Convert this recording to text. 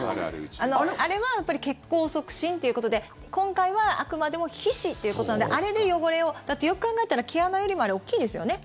あれはやっぱり血行促進ということで今回はあくまでも皮脂っていうことなのであれで汚れをだって、よく考えたら毛穴よりもあれ大きいですよね。